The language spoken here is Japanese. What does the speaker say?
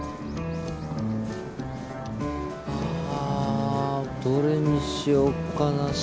あどれにしよっかな。